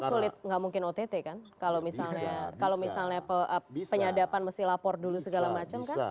sulit nggak mungkin ott kan kalau misalnya kalau misalnya penyadapan mesti lapor dulu segala macem